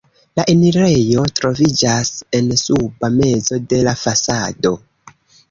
La enirejo troviĝas en suba mezo de la fasado.